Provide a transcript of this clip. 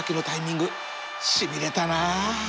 しびれたなあ